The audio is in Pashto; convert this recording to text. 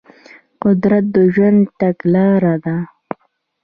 قدرت د ژوند تګلاره ده.